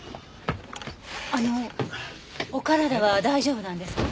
あのお体は大丈夫なんですか？